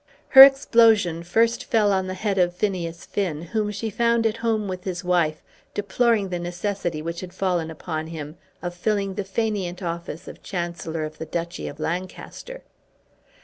Her explosion first fell on the head of Phineas Finn, whom she found at home with his wife, deploring the necessity which had fallen upon him of filling the fainéant office of Chancellor of the Duchy of Lancaster.